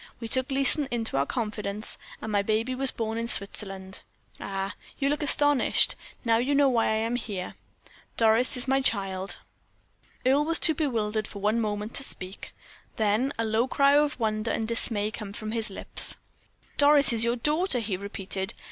We took Leeson into our confidence, and my baby was born in Switzerland. Ah! you look astonished. Now you know why I am here Doris is my child!" Earle was too bewildered for one moment to speak. Then a low cry of wonder and dismay came from his lips. "Doris your daughter!" he repeated.